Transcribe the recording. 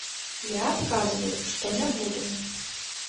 Я адказваю, што не буду.